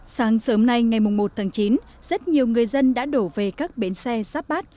sáng sớm nay ngày một tháng chín rất nhiều người dân đã đổ về các bến xe giáp bát